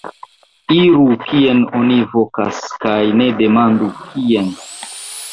Iru, kien oni vokas kaj ne demandu: kien?